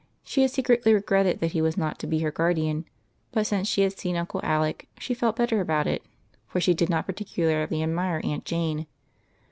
She had secretly regretted that he was not to be her guardian ; but since she had seen Uncle Alec she felt better about it, for she did not i^articularly admire Aunt Jane.